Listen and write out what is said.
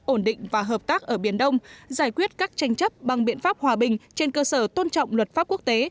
ổn định và hợp tác ở biển đông giải quyết các tranh chấp bằng biện pháp hòa bình trên cơ sở tôn trọng luật pháp quốc tế